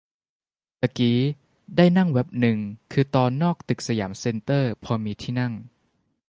ตะกี้ได้นั่งแว๊บนึงคือนอกตึกสยามเซ็นเตอร์พอมีที่นั่ง